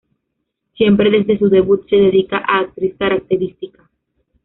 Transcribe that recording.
Siempre desde su debut se dedica a actriz característica.